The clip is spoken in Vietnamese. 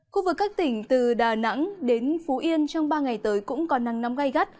khu vực các tỉnh từ đà nẵng đến phú yên trong ba ngày tới cũng có nắng nóng gai gắt